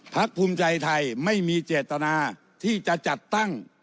ภูมิใจไทยไม่มีเจตนาที่จะจัดตั้ง